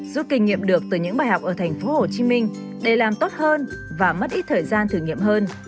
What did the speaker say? giúp kinh nghiệm được từ những bài học ở thành phố hồ chí minh để làm tốt hơn và mất ít thời gian thử nghiệm hơn